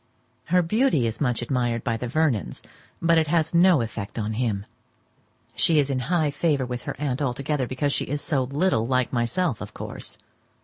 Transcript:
Her beauty is much admired by the Vernons, but it has no effect on him. She is in high favour with her aunt altogether, because she is so little like myself, of course.